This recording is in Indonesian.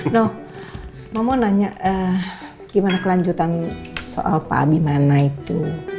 noh mama mau nanya gimana kelanjutan soal pak abi mana itu